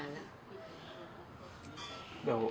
แล้วบอกว่าไม่รู้นะ